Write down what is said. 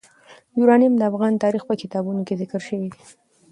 یورانیم د افغان تاریخ په کتابونو کې ذکر شوی دي.